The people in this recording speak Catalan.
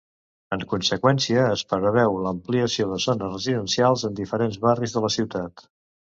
En conseqüència es preveu l'ampliació de zones residencials en diferents barris de la ciutat.